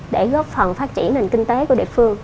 để góp phần phát triển nền kinh tế của địa phương